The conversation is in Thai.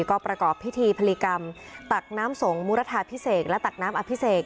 ก็ประกอบพิธีพลีกรรมตักน้ำสงมุรทาพิเศษและตักน้ำอภิเษก